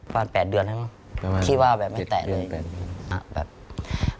ป้าน๘เดือนครับที่ว่าแบบไม่แตะเลย